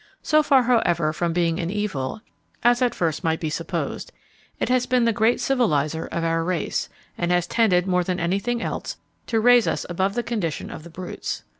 So far, however, from being an evil, as at first might be supposed, it has been the great civiliser of our race; and has tended, more than any thing else, to raise us above the condition of the brutes.